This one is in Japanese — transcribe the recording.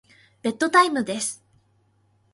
ベッドタイムです。